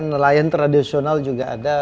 nelayan tradisional juga ada